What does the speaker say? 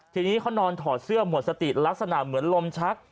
ทีนี้เขานอนถอดเสื้อหมดสติลักษณะเหมือนลมชัก